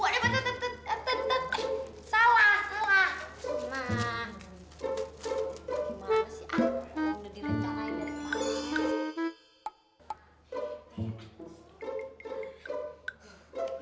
udah direncanain dari mana ya